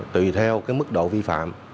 tùy theo cái mức độ vi phạm